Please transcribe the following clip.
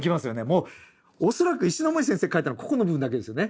もう恐らく石森先生描いたのここの部分だけですよね。